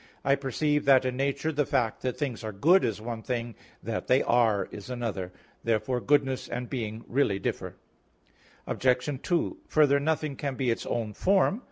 "I perceive that in nature the fact that things are good is one thing: that they are is another." Therefore goodness and being really differ. Obj. 2: Further, nothing can be its own form.